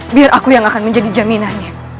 biar aku yang akan menjadi jaminannya